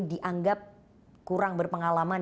dianggap kurang berpengalaman